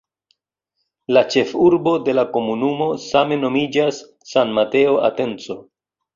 La ĉefurbo de la komunumo same nomiĝas "San Mateo Atenco".